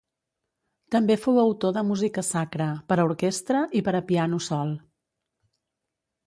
També fou autor de música sacra, per a orquestra i per a piano sol.